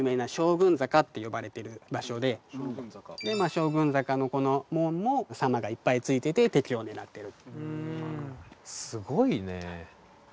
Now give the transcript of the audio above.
将軍坂のこの門も狭間がいっぱいついてて敵を狙ってる。